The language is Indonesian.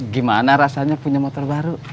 gimana rasanya punya motor baru